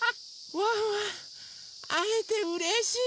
ワンワンあえてうれしい！